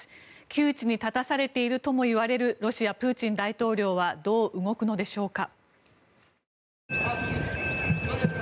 窮地に立たされているともいわれるロシア、プーチン大統領はどう動くのでしょうか。